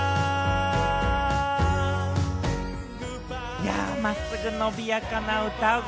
いやー、真っすぐ伸びやかな歌声。